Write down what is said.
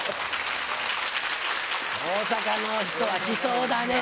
大阪の人はしそうだね。